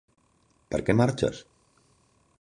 Per què marxes?